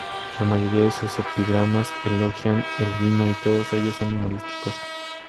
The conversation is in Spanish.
La mayoría de sus epigramas elogian el vino y todos ellos son humorísticos.